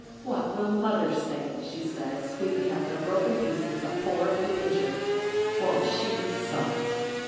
"What will Mother say?" she said, sweeping up the broken pieces of poor Blue Pitcher. "Won't she be sorry!"